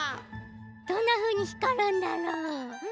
どんなふうにひかるんだろう？